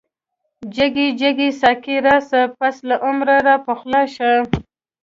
جگی جگی ساقی راشه، پس له عمره را پخلاشه